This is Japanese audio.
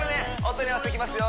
音に合わせていきますよ